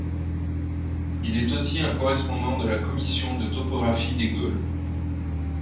Il est aussi un des correspondants de la Commission de topographie des Gaules.